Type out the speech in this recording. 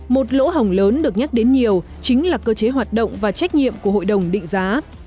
một lỗ hỏng lớn được nhắc đến nhiều chính là cơ chế hoạt động và trách nhiệm của hội đồng định giá